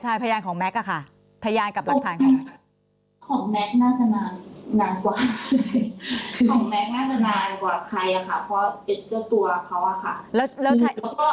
ใช่พยานของแม็กซอะค่ะพยานกับหลักฐานค่ะ